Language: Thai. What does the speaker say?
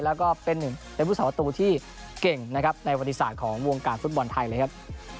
แล้วก็เป็นหนึ่งในผู้สาประตูที่เก่งนะครับในวัติศาสตร์ของวงการฟุตบอลไทยเลยครับ